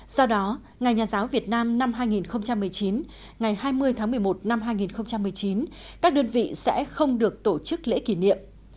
sau đó ngày nhà giáo việt nam năm hai nghìn một mươi chín ngày hai mươi tháng một mươi một năm hai nghìn một mươi chín các đơn vị sẽ không được tổ chức lễ kỷ niệm